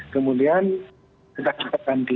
kemudian kita ganti